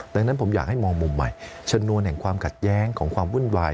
ดังนั้นผมอยากให้มองมุมใหม่ชนวนแห่งความขัดแย้งของความวุ่นวาย